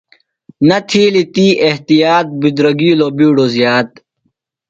نہ تِھیلیۡ تی احتیاط، بِدرگِیلوۡ بِیڈوۡ زِیات